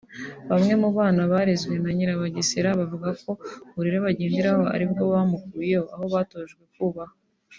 Bamwe mu bana barezwe na Nyirabagesera bavuga ko uburere bagenderaho ari ubwo bamukuyeho aho batojwe kubaha